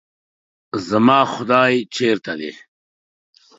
زما خداے چرته دے؟